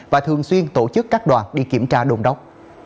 và thường xuyên tổ chức các đoàn đi kiểm tra đôn đốc